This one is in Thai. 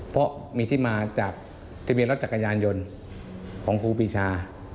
เพราะมีที่มาจากทะเบียนรถจักรยานยนต์ของครูปีชา